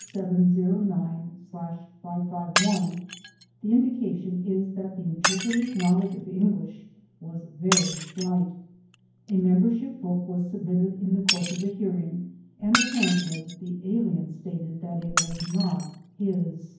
54709/551), the indication is that the interpreter's knowledge of English was very slight. A membership book was submitted in the course of the hearing and apparently the alien stated that it was not his.